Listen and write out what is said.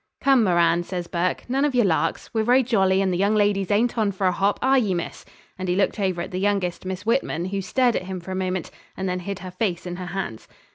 'Come, Moran,' says Burke, 'none of your larks; we're very jolly, and the young ladies ain't on for a hop; are ye, miss?' and he looked over at the youngest Miss Whitman, who stared at him for a moment, and then hid her face in her hands.